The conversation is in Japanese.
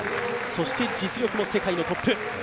そして実力も世界のトップ。